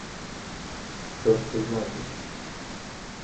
Що ж це значить?